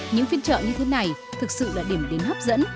những phiên trợ như thế này thực sự là điểm đến hấp dẫn